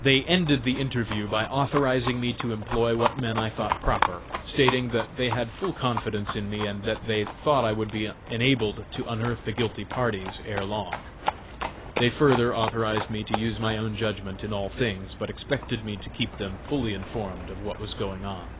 They ended the interview by authorizing me to employ what men I thought proper; stating that they had full confidence in me, and that they thought I would be enabled to unearth the guilty parties ere long. They further authorized me to use my own judgment in all things; but expected me to keep them fully informed of what was going on.